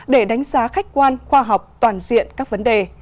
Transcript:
để đánh giá khách quan khoa học toàn diện các vấn đề